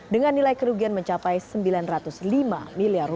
dengan nilai kerugian mencapai rp sembilan ratus lima miliar